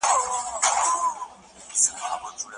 که نجونې مکتب ووايي نو د واده لپاره به مجبوره نه وي.